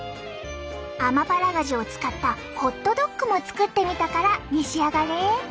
アマパラガジュを使ったホットドッグも作ってみたから召し上がれ。